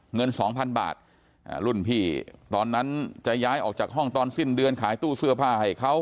เงินสองพันบาทรุ่นพี่ตอนนั้นจะย้ายออกจากห้องตอนสิ้นเดือนขายตู้เสื้อผ้าให้เขา